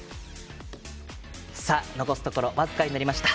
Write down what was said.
残すところ僅かになりました。